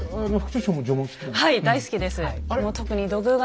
はい大好きです。